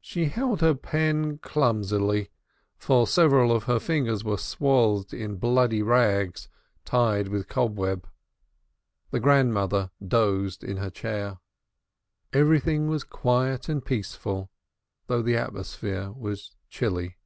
She held her pen clumsily, for several of her fingers were swathed in bloody rags tied with cobweb. The grandmother dozed in her chair. Everything was quiet and peaceful, though the atmosphere was chilly.